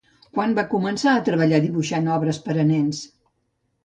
Quan va començar a treballar dibuixant obres per a nens?